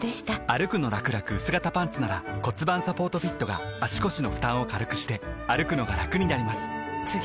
「歩くのらくらくうす型パンツ」なら盤サポートフィットが足腰の負担を軽くしてくのがラクになります覆个△